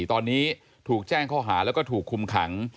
ตอนนี้ถูกแจ้งข้อหาแล้วก็ถูกคุมขัง